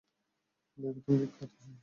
Baby তুমি বিখ্যাত, সেই এই ছেলে, তাইনা?